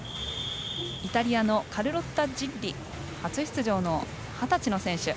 イタリアのカルロッタ・ジッリ初出場の二十歳の選手。